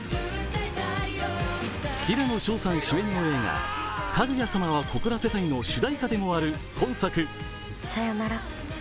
平野紫耀さん主演の映画「かぐや様は告らせたい」の主題歌でもある今作。